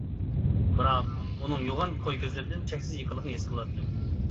بىراق، ئۇنىڭ يوغان قوي كۆزلىرىدىن چەكسىز يېقىنلىقنى ھېس قىلاتتىم.